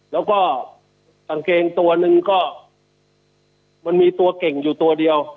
แล้วก็กางเกงตัวหนึ่งก็มันมีตัวเก่งอยู่ตัวเดียว